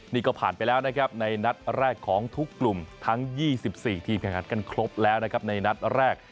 นี่ก็ผ่านไปแล้วนะครับในนัดแรกของทุกกลุ่มทั้ง๒๔ทีมแข่งขันกันครบแล้วนะครับในนัดแรก